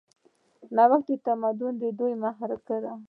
نوښت د تمدن د ودې محرک دی.